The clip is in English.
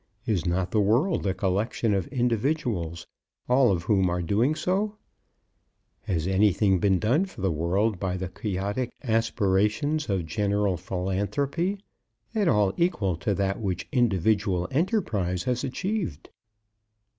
Is not the world a collection of individuals, all of whom are doing so? Has anything been done for the world by the Quixotic aspirations of general philanthropy, at all equal to that which individual enterprise has achieved?